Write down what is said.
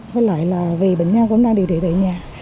với lợi là vì bệnh nhân cũng đang điều trị tại nhà